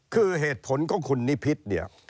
คือเหตุผลของคุณนิพิษเนี่ย